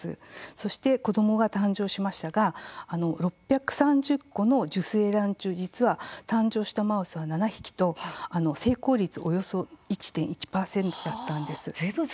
そして子どもが誕生しましたが６３０個の受精卵中実は誕生したマウスは７匹と成功率およそ１．１％だったんです。